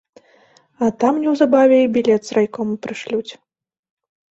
А там неўзабаве й білет з райкому прышлюць.